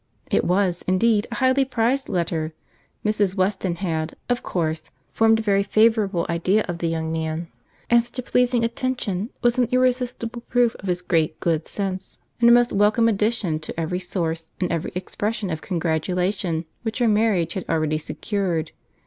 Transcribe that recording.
It was, indeed, a highly prized letter. Mrs. Weston had, of course, formed a very favourable idea of the young man; and such a pleasing attention was an irresistible proof of his great good sense, and a most welcome addition to every source and every expression of congratulation which her marriage had already secured.